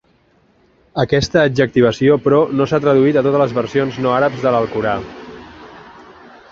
Aquesta adjectivació, però, no s'ha traduït a totes les versions no àrabs de l'alcorà.